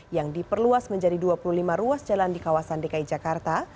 yang diperluas menjadi dua puluh lima ruas jalan di kawasan dki jakarta